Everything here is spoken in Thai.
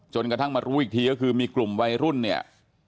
กระทั่งมารู้อีกทีก็คือมีกลุ่มวัยรุ่นเนี่ย